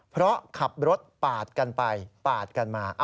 เพราะขับรถปาดกันไปปาดกันมา